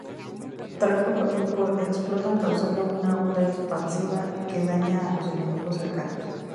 Tras poco tiempo, explotan causando una onda expansiva que daña a los enemigos cercanos.